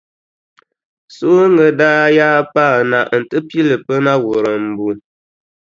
Sooŋa daa yaa paana nti pili pina wurimbu.